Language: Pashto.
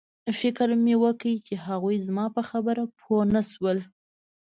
فکر مې وکړ چې هغوی زما په خبره پوه نشول